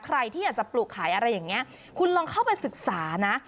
ใครที่อยากจะปลูกขายอะไรอย่างนี้คุณลองเข้าไปศึกษานะ